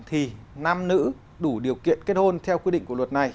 thì nam nữ đủ điều kiện kết hôn theo quy định của luật này